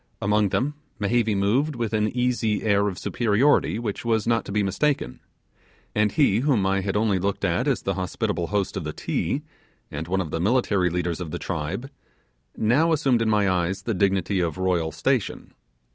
Among them Mehevi moved with an easy air of superiority which was not to be mistaken; and he whom I had only looked at as the hospitable host of the Ti, and one of the military leaders of the tribe, now assumed in my eyes the dignity of royal station.